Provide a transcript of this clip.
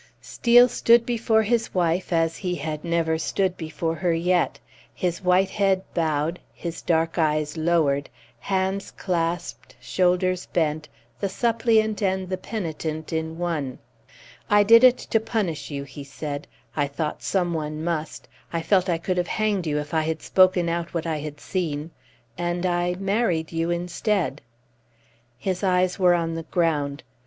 Steel stood before his wife as he had never stood before her yet, his white head bowed, his dark eyes lowered, hands clasped, shoulders bent, the suppliant and the penitent in one. "I did it to punish you," he said. "I thought some one must I felt I could have hanged you if I had spoken out what I had seen and I married you instead!" His eyes were on the ground.